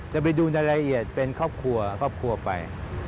จะไปดูในละเอียดเป็นครอบครัวไป